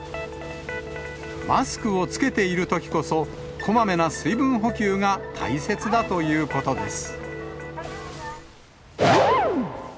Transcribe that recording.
マスクを着けているときこそ、こまめな水分補給が大切だということです。